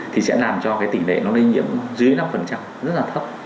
thì sẽ làm cho cái tỷ lệ nó lây nhiễm dưới năm rất là thấp